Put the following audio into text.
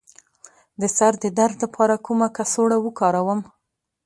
د سر د درد لپاره کومه کڅوړه وکاروم؟